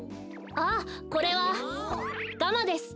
ああこれはガマです。